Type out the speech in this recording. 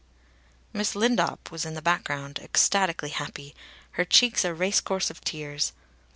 Miss Lindop was in the background, ecstatically happy, her cheeks a race course of tears.